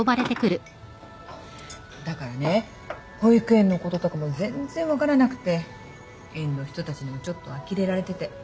だからね保育園のこととかも全然分からなくて園の人たちにもちょっとあきれられてて。